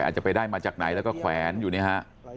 อาจจะไปได้มาจากไหนแล้วก็แขวนอยู่เนี่ยฮะ